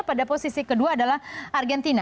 pada posisi kedua adalah argentina